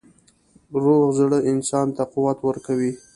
روغ زړه انسان ته قوت ورکوي.